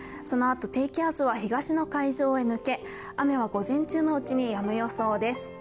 そのあと低気圧は東の海上に抜け、雨は午前中のうちにやむ予想です。